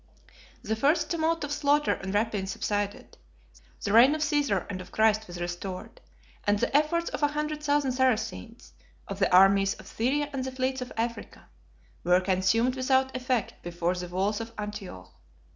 The first tumult of slaughter and rapine subsided; the reign of Caesar and of Christ was restored; and the efforts of a hundred thousand Saracens, of the armies of Syria and the fleets of Africa, were consumed without effect before the walls of Antioch.